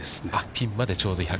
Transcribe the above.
ピンまでちょうど１００。